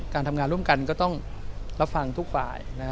การทำงานร่วมกันก็ต้องรับฟังทุกฝ่าย